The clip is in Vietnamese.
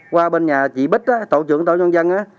qua bên nhà chị bích tổ trưởng tổ dân dân